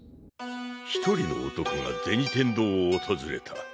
一人の男が銭天堂を訪れた。